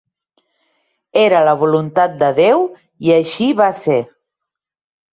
Era la voluntat de Déu i així va ser.